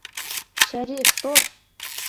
Шәриф, тор!